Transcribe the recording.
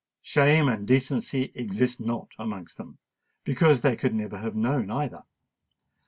Shame and decency exist not amongst them—because they could never have known either.